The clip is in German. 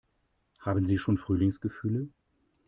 Haben Sie schon Frühlingsgefühle?